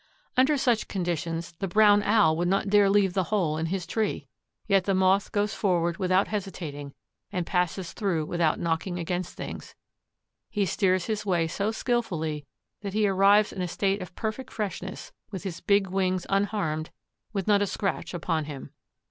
Under such conditions the Brown Owl would not dare leave the hole in his tree. Yet the Moth goes forward without hesitating and passes through without knocking against things. He steers his way so skillfully that he arrives in a state of perfect freshness, with his big wings unharmed, with not a scratch upon him.